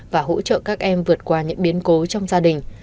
và hỗ trợ các em vượt qua những biến cố trong gia đình